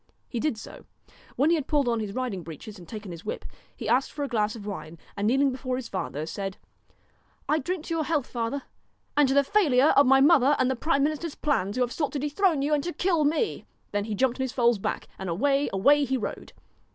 He did so. When he had pulled on his riding breeches and taken his whip, he asked for a glass of wine, and kneeling before his father, said :' I drink to your health, father, and to the failure of my mother's and the prime minister's plans, who have sought to dethrone you and to kill me.' Then he jumped on his foal's back and away, away he rode.